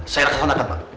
saya rakatan rakatan pak